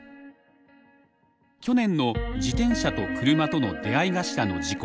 去年の自転車と車との出会い頭の事故。